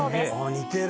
似てる！